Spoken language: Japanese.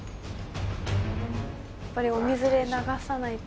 やっぱりお水で流さないと。